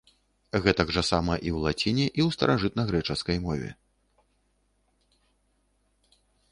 Гэтак жа сама і ў лаціне і ў старажытнагрэчаскай мове.